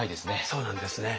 そうなんですね。